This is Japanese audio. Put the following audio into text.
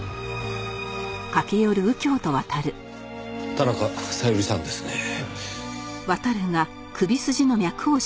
田中小百合さんですねぇ。